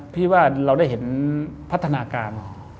พี่ว่าเราได้เห็นพัฒนาการ